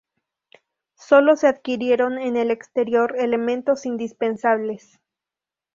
Sólo se adquirieron en el exterior elementos indispensables.